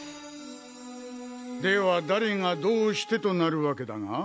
では誰がどうしてとなる訳だが。